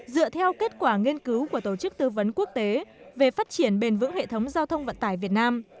dựa theo kết quả nghiên cứu của tổ chức tư vấn quốc tế về phát triển bền vững hệ thống giao thông vận tải việt nam